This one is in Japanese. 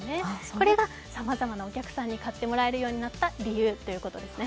これがさまざまなお客さんに買ってもらえるようになった理由ということですね。